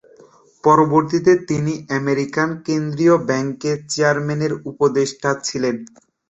পরবর্তীতে তিনি আর্মেনিয়ার কেন্দ্রীয় ব্যাংকের চেয়ারম্যানের উপদেষ্টা ছিলেন।